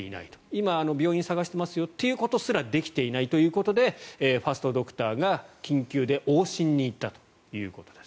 今、病院を探していますよということすらできていないということでファストドクターが緊急で往診に行ったということです。